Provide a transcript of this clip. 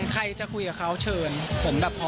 ใครจะคุยกับเขาเชิญผมแบบพอ